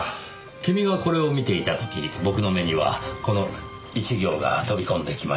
君がこれを見ていた時僕の目にはこの１行が飛び込んできました。